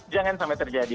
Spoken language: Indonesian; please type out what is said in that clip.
jangan sampai terjadi